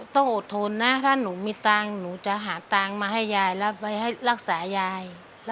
ต้องอดทนนะถ้าหนูมีตังค์หนูจะหาตังค์มาให้ยายแล้วไปให้รักษายาย